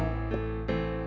aku mau ke tempat usaha